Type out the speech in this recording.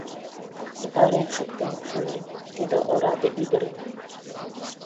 Утарен шуктем, шонем, тиде ораде ӱдырым.